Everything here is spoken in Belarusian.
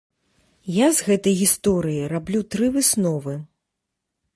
Я з гэтай гісторыі раблю тры высновы.